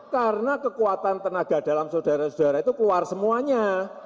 karena kekuatan tenaga dalam saudara saudara itu keluar semuanya